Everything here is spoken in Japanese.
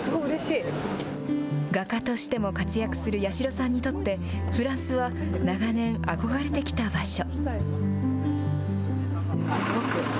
画家としても活躍する八代さんにとって、フランスは長年憧れてきた場所。